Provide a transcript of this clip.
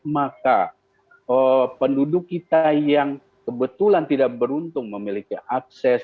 maka penduduk kita yang kebetulan tidak beruntung memiliki akses